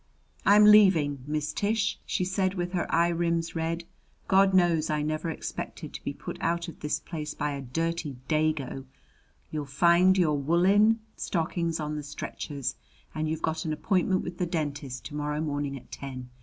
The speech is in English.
"I'm leaving, Miss Tish!" she said with her eye rims red. "God knows I never expected to be put out of this place by a dirty dago! You'll find your woolen stockings on the stretchers, and you've got an appointment with the dentist tomorrow morning at ten.